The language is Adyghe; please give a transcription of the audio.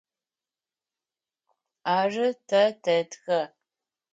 Ары, тэ тэтхэ.